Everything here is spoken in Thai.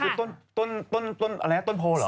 คือต้นอันนั้นต้นโผเหรอ